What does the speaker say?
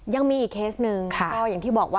ยังมีอีกเคสนึง